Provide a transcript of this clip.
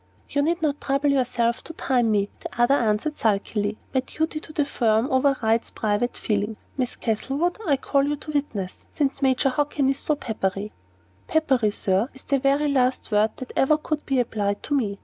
"You need not trouble yourself to time me," the other answered, sulkily; "my duty to the firm overrides private feeling. Miss Castlewood, I call you to witness, since Major Hockin is so peppery " "Peppery, Sir, is the very last word that ever could be applied to me.